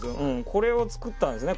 これを作ったんですね